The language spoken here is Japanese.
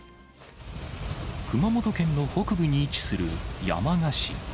熊本県の北部に位置する山鹿市。